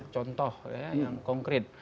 contoh yang konkret